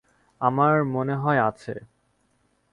আমার মনে হয় আছে।